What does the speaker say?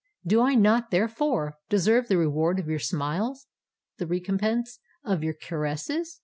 Do I not, therefore, deserve the reward of your smiles—the recompense of your caresses?"